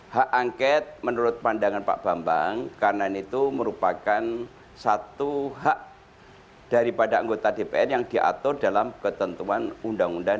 hak angket menurut pandangan pak bambang karena itu merupakan satu hak daripada anggota dpr yang diatur dalam ketentuan undang undang